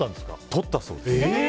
撮ったそうです。